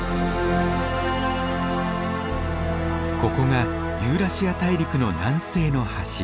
ここがユーラシア大陸の南西の端。